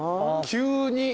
急に。